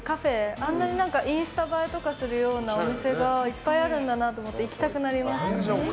あんなにインスタ映えするようなお店がいっぱいあるんだなと思って行きたくなりました。